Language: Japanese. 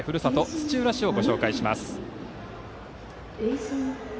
土浦市をご紹介します。